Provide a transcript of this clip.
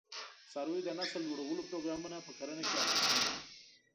د څارویو د نسل لوړولو پروګرامونه په کرنه کې اغېزمن دي.